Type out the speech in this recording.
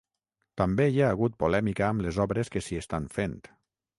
També hi ha hagut polèmica amb les obres que s’hi estan fent.